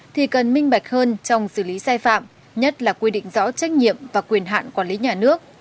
thì cần minh bạch hơn trong xử lý sai phạm nhất là quy định rõ trách nhiệm và quyền hạn quản lý nhà nước